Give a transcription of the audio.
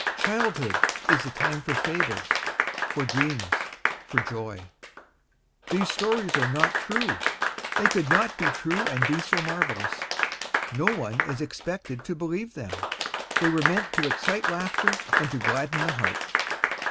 Childhood is the time for fables, for dreams, for joy. These stories are not true; they could no be true and be so marvelous. No one is expected to believe them; they were meant to excite laughter and to gladden the heart.